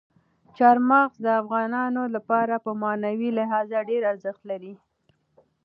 چار مغز د افغانانو لپاره په معنوي لحاظ ډېر ارزښت لري.